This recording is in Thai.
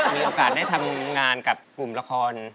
มีโอกาสได้ทำงานกับกลุ่มละคร